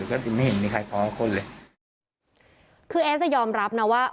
ก็ไม่เห็นมีใครพร้อมคนเลยคือแอสจะยอมรับนะว่า